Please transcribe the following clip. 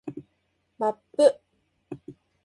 マップ